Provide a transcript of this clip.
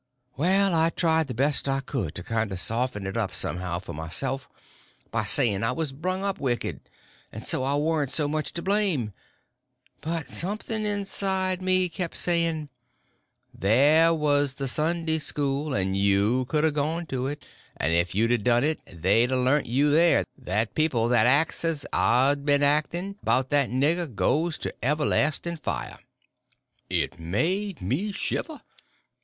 Well, I tried the best I could to kinder soften it up somehow for myself by saying I was brung up wicked, and so I warn't so much to blame; but something inside of me kept saying, "There was the Sunday school, you could a gone to it; and if you'd a done it they'd a learnt you there that people that acts as I'd been acting about that nigger goes to everlasting fire." It made me shiver.